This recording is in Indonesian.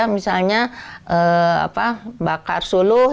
misalnya bakar suluh